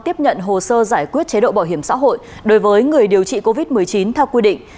tiếp nhận hồ sơ giải quyết chế độ bảo hiểm xã hội đối với người điều trị covid một mươi chín theo quy định